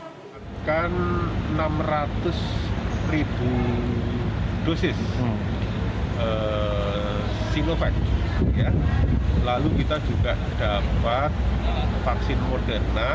kita akan enam ratus ribu dosis sinovac lalu kita juga dapat vaksin moderna